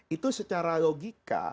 itu secara logika